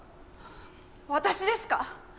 私ですか？